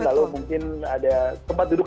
lalu mungkin ada tempat duduk